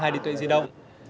hai mươi hai điện tuệ di động